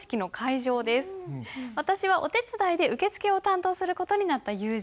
私はお手伝いで受付を担当する事になった友人。